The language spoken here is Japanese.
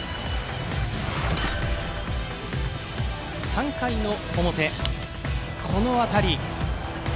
３回の表、この当たり。